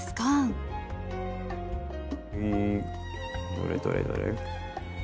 どれどれどれ。